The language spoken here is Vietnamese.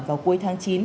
vào cuối tháng chín